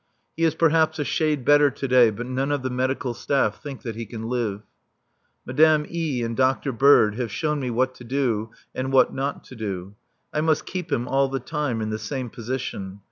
He is perhaps a shade better to day, but none of the medical staff think that he can live. Madame E and Dr. Bird have shown me what to do, and what not to do. I must keep him all the time in the same position.